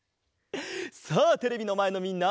さあテレビのまえのみんな！